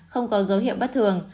không có dấu hiệu bất thường